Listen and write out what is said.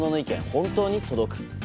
本当に届く？